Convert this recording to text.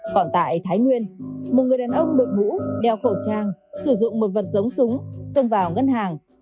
còn tại thái nguyên một người đàn ông đội mũ đeo khẩu trang sử dụng một vật giống súng xông vào ngân hàng